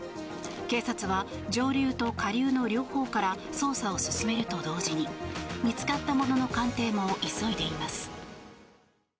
警察は上流と下流の両方から捜査を進めるとともに見つかったものの鑑定も急いでいます。